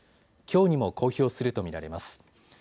きょうにも公表すると見られます。